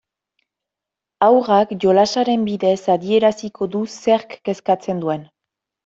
Haurrak jolasaren bidez adieraziko du zerk kezkatzen duen.